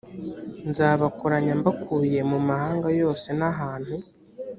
nzabakoranya mbakuye mu mahanga yose n ahantu